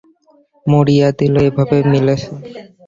মরিয়া দিল এভাবে মিলেছে।